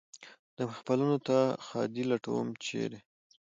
محفلونو ته ښادي لټوم ، چېرې ؟